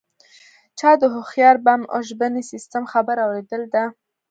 چا د هوښیار بم او ژبني سیستم خبره اوریدلې ده